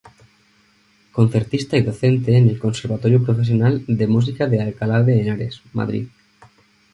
Concertista y docente en el Conservatorio Profesional de Música de Alcalá de Henares, Madrid.